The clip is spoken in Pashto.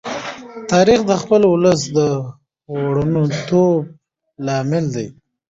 تاریخ د خپل ولس د وروڼتوب لامل دی.